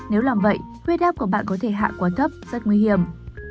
nếu làm vậy huyết áp của bạn có thể hạ quá thấp rất nguy hiểm